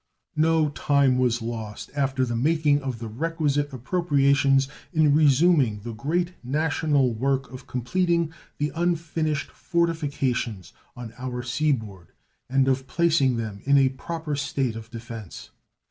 No time was lost after the making of the requisite appropriations in resuming the great national work of completing the unfinished fortifications on our sea board and of placing them in a proper state of defense.